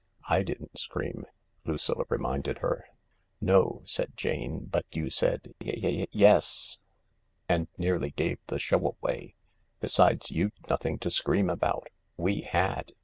"/ didn't scream," Lucilla reminded her. " No," said Jane, " but you said, * Ye ye ye yes s,' and nearly gave the show away. Besides, you'd nothing to scream about. We had.